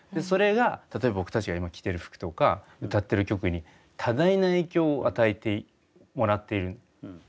それが例えば僕たちが今着てる服とか歌ってる曲に多大な影響を与えてもらっている。